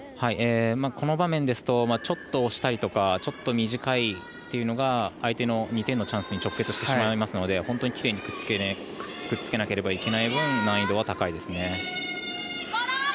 この場面ですとちょっと押したいとかちょっと短いっていうのが相手の２点のチャンスに直結してしまうので本当にきれいにくっつけなければいけない分難易度は高いですね。